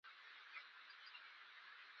د قاچاقبر صاحب له پاره ځکه چې د جرمني په سرحد.